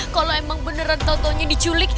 kalau emang beneran totonya diculik